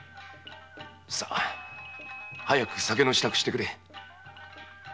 さ早く酒の支度をしてくれ。